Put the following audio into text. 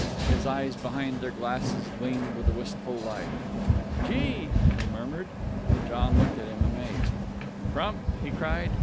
His eyes behind their glasses gleamed with a wistful light. "Gee!" he murmured. John looked at him, amazed. "Crump," he cried.